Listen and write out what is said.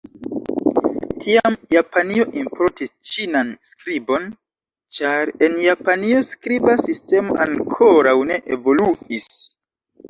Tiam Japanio importis Ĉinan skribon, ĉar en Japanio skriba sistemo ankoraŭ ne evoluis.